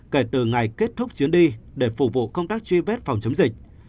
kể từ ngày kết thúc chuyến đi để phục vụ công tác truy vết phòng chống dịch